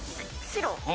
白？